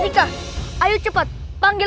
dia berapa ini